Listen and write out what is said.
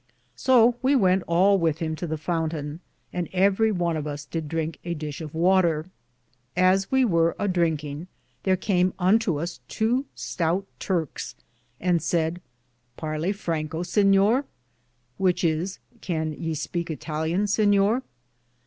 So we wente all with him to the fountaine, and everie one of us did drinke a dishe of water. As we weare a drinkinge, thare came unto us tow stout Turkes, and sayd : Parlye Francko, sinyore ? which is : Can ye speake Ittal lian, sinyor?